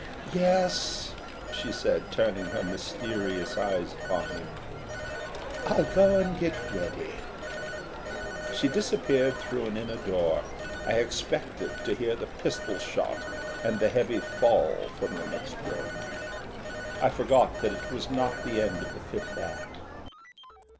"Yes," she said, turning her mysterious eyes upon him, "I'll go and get ready." She disappeared through an inner door. I expected to hear the pistol shot and the heavy fall from the next room. I forgot that it was not the end of the fifth act.